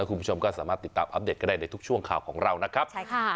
คุณผู้ชมก็สามารถติดตามอัปเดตก็ได้ในทุกช่วงข่าวของเรานะครับใช่ค่ะ